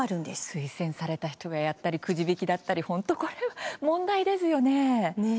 推薦された人がやったりくじ引きだったり本当、これは問題ですよね。